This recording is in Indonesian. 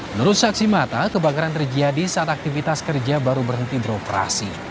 menurut saksi mata kebakaran terjadi saat aktivitas kerja baru berhenti beroperasi